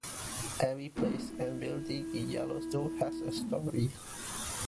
Every place and building in Yellowstone has a story.